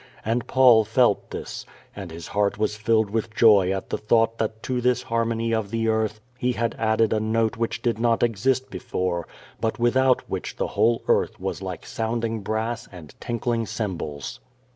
And Paul felt this, and his heart was filled with joy at the thought that to this harmony of the earth he had added a note which did not exist before, but without which the whole earth was like sounding brass and tinkling cymbals.